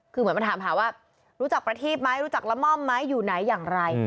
คือเหมือนมาถามหาว่ารู้จักประทีบไหมรู้จักละม่อมไหมอยู่ไหนอย่างไร